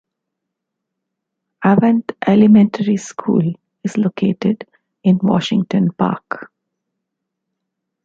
Avant Elementary School is located in Washington Park.